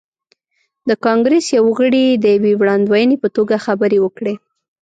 د کانګریس یو غړي د یوې وړاندوینې په توګه خبرې وکړې.